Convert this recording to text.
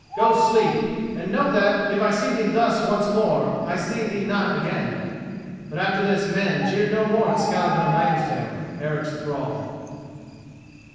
"Go, sleep; and know that, if I see thee thus once more, I see thee not again." But after this men jeered no more at Skallagrim Lambstail, Eric's thrall.